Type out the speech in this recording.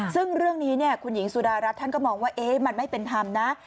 ซึ่งเรื่องนี้คุณหญิงสุดารัฐท่านก็มองว่ามันไม่เป็นธรรมนะ